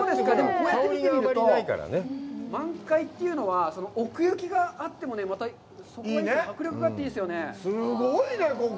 こうやって見てみると、満開というのは奥行きがあってもまた迫力があっていいですね。